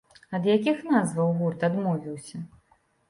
Ад якіх назваў гурт адмовіўся?